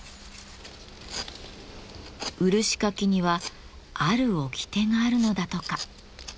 漆かきにはある掟があるのだとか。